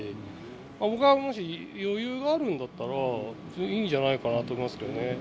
僕はもし、余裕があるんだったら、別にいいんじゃないかなと思いますけどね。